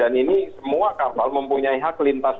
dan ini semua kapal mempunyai hak lintas